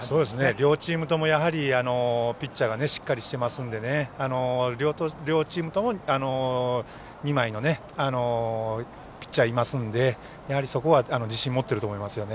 両チームともピッチャーがしっかりしていますので両チームとも、２枚のピッチャーいますのでそこは、自信を持ってると思いますね。